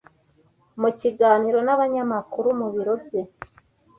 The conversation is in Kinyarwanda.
Mu kiganiro n'abanyamakuru mu biro bye